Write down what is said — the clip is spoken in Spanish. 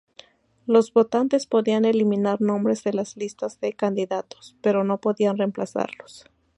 Los votantes podían eliminar nombres de las listas de candidatos, pero no podían reemplazarlos.